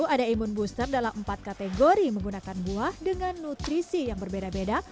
ada imun booster dalam empat kategori menggunakan buah dengan nutrisi yang berbeda beda